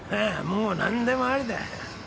もう何でもありだよ